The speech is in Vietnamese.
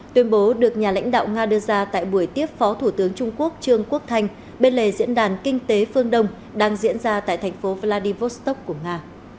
tuyên bố được nhà lãnh đạo nga đưa ra tại buổi tiếp phó thủ tướng trung quốc trương quốc thanh bên lề diễn đàn kinh tế phương đông đang diễn ra tại thành phố vladivostok của nga